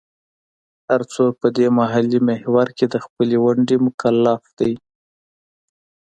هر څوک په دې ملي محور کې د خپلې ونډې مکلف دی.